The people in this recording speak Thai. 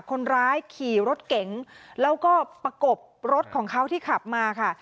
คนร้ายขี่รถเก๋งแล้วก็ประกบรถของเขาที่ขับมาค่ะ